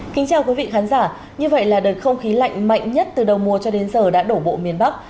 kính chào quý vị khán giả như vậy là đợt không khí lạnh mạnh nhất từ đầu mùa cho đến giờ đã đổ bộ miền bắc